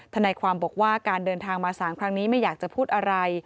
ทนายความบอกว่าการเดินทางมาสารครั้งนี้ไม่อยากจะพูดอะไร